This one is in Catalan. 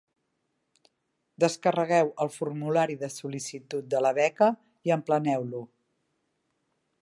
Descarregueu el formulari de sol·licitud de la beca i empleneu-lo.